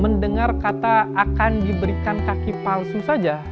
mendengar kata akan diberikan kaki palsu saja